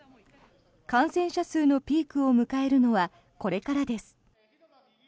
感染者数のピークを迎えるのはこれからです。